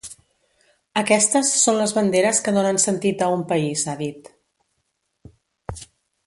Aquestes són les banderes que donen sentit a un país, ha dit.